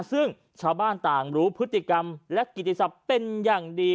ซึ่งชาวบ้านต่างรู้พฤติกรรมและกิติศัพท์เป็นอย่างดี